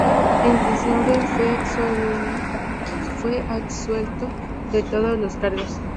En diciembre fue absuelto de todos los cargos.